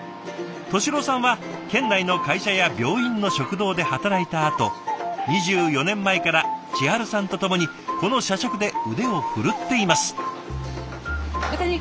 寿郎さんは県内の会社や病院の食堂で働いたあと２４年前から千春さんとともにこの社食で腕を振るっています。